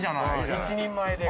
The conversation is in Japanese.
１人前で。